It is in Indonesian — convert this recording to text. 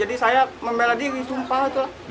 jadi saya membela diri sumpah